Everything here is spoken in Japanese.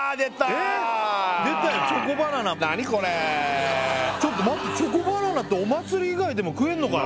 これちょっと待ってチョコバナナってお祭り以外でも食えんのか